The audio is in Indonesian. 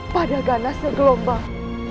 pada ganasnya gelombang